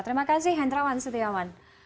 terima kasih hendrawan setiawan